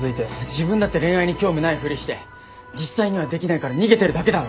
自分だって恋愛に興味ないふりして実際にはできないから逃げてるだけだろ。